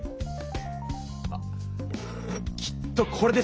あきっとこれです！